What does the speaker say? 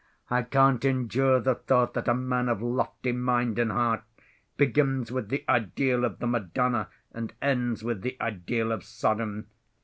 I can't endure the thought that a man of lofty mind and heart begins with the ideal of the Madonna and ends with the ideal of Sodom.